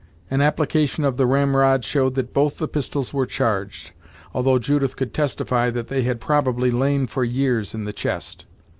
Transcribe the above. An application of the ramrod showed that both the pistols were charged, although Judith could testify that they had probably lain for years in the chest.